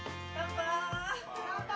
乾杯！